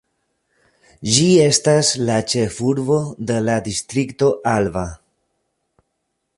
Ĝi estas la ĉefurbo de la Distrikto Alba.